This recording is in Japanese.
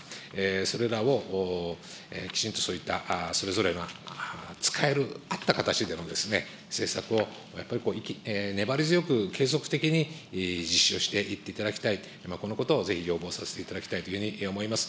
それらをきちんとそういったそれぞれが使えるあった形での政策をやっぱり粘り強く継続的に実施をしていっていただきたいと、このことをぜひ要望させていただきたいというふうに思います。